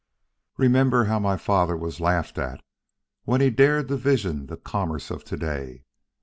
"Remember how my father was laughed at when he dared to vision the commerce of to day?